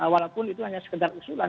walaupun itu hanya sekedar usulan